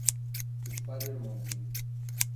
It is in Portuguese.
spidermonkey